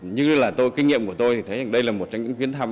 như là kinh nghiệm của tôi thì thấy rằng đây là một trong những chuyến thăm